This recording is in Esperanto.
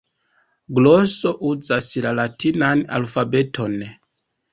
Gloso uzas la latinan alfabeton.